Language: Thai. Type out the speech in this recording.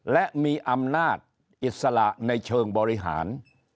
และมีอำนาจอิสระในเชิงบริหาร